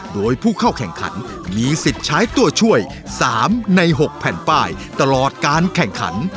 โดยผู้เข้าแข่งขันมีสิทธิ์ใช้ตัวช่วย๓ใน๖แผ่นป้ายตลอดการแข่งขัน